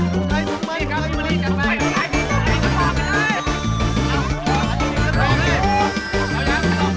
ตอบแม่เลยแกติดสัตว์เลยเดี๋ยวยัง